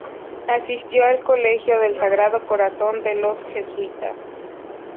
Asistió al Colegio del Sagrado Corazón de los jesuitas.